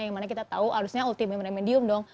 yang mana kita tahu harusnya ultimimum dan medium dong